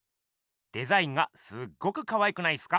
デザインがすっごくかわいくないっすか？